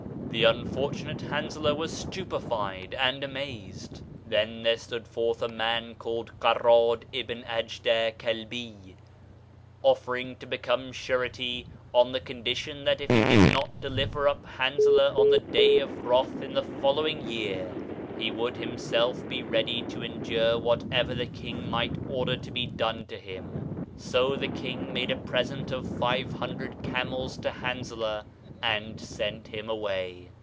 The unfortunate Hanzalah was stupefied and amazed. Then there stood forth a man called Quarad Ibn Ajdaa Kalbey, offering to become surety on the condition that if he did not deliver up Han zalah on the day of wrath in the following year, 57 Digitized by Google MYSTERIOUS FORCES he would himself be ready to endure whatever the king might order to be done to him. So the king made a present of five hundred camels to Hanzalah and sent him away.